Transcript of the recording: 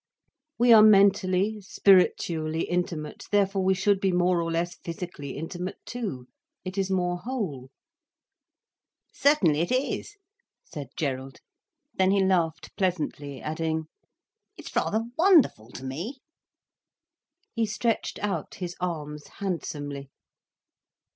"We are mentally, spiritually intimate, therefore we should be more or less physically intimate too—it is more whole." "Certainly it is," said Gerald. Then he laughed pleasantly, adding: "It's rather wonderful to me." He stretched out his arms handsomely.